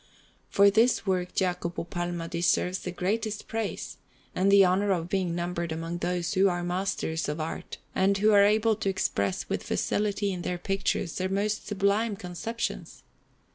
For this work Jacopo Palma deserves the greatest praise, and the honour of being numbered among those who are masters of art and who are able to express with facility in their pictures their most sublime conceptions.